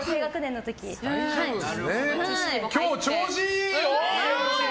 今日、調子いいよ！